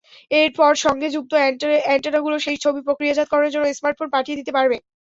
এরপর সঙ্গে যুক্ত অ্যান্টেনাগুলো সেই ছবি প্রক্রিয়াজাতকরণের জন্য স্মার্টফোনে পাঠিয়ে দিতে পারবে।